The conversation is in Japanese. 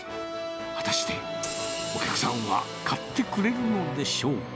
果たして、お客さんは買ってくれるのでしょうか。